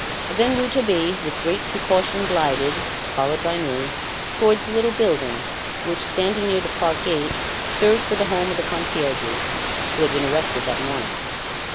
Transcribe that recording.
Then Rouletabille, with great precaution glided, followed by me, towards the little building which, standing near the park gate, served for the home of the concierges, who had been arrested that morning.